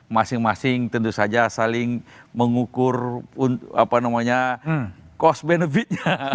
masing masing tentu saja saling mengukur apa namanya cost benefit